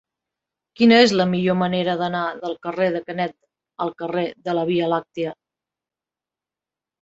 Quina és la millor manera d'anar del carrer de Canet al carrer de la Via Làctia?